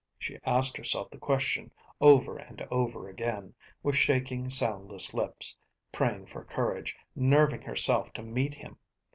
She asked herself the question over and over again, with shaking, soundless lips, praying for courage, nerving herself to meet him.